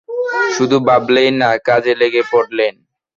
শুধু ভাবলেনই না, কাজে লেগে পড়লেন।